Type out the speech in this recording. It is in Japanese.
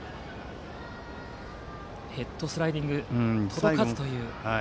ヘッドスライディング届かずでした。